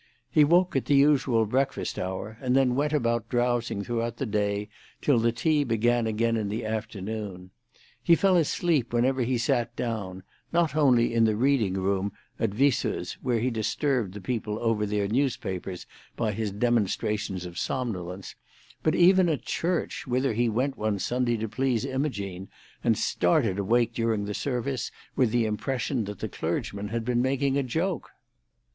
He woke at the usual breakfast hour, and then went about drowsing throughout the day till the tea began again in the afternoon. He fell asleep whenever he sat down, not only in the reading room at Viesseux's, where he disturbed the people over their newspapers by his demonstrations of somnolence, but even at church, whither he went one Sunday to please Imogene, and started awake during the service with the impression that the clergyman had been making a joke.